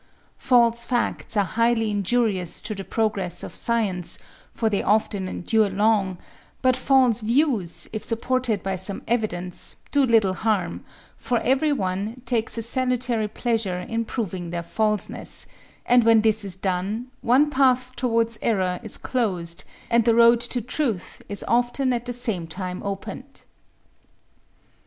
False facts are highly injurious to the progress of science, for they often endure long; but false views, if supported by some evidence, do little harm, for every one takes a salutary pleasure in proving their falseness: and when this is done, one path towards error is closed and the road to truth is often at the same time opened.